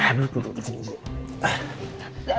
nah duduk dulu kesini